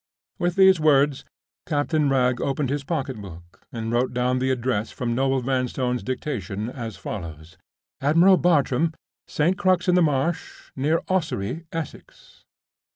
With those words, Captain Wragge opened his pocketbook and wrote down the address from Noel Vanstone's dictation, as follows: "Admiral Bartram, St. Crux in the Marsh, near Ossory, Essex."